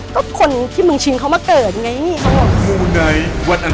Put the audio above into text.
ก็คนที่มึงชินเขามาเกิดยังไงนี่